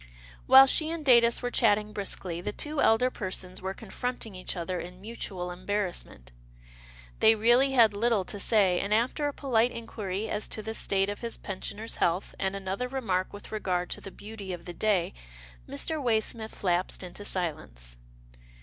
While she and Datus were chatting briskly, the two elder persons were confronting each other in mutual embarrassment. They really had little to say, and after a polite inquiry as to the state of his pensioner's health, and another remark with regard to the beauty of the day, Mr. Waysmith lapsed into silence.